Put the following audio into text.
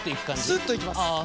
スッといきます。